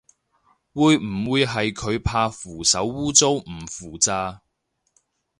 會唔會係佢怕扶手污糟唔扶咋